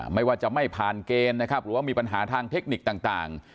ไม่ว่าจะไม่ผ่านเกณฑ์นะครับหรือว่ามีปัญหาทางเทคนิคต่าง